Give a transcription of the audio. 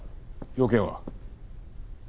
用件は？